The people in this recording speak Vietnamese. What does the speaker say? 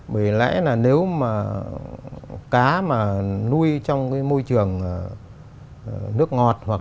bởi lẽ là nếu mà cá mà nuôi trong cái môi trường nước ngọt